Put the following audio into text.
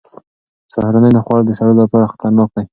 سهارنۍ نه خوړل د سړو لپاره خطرناک دي.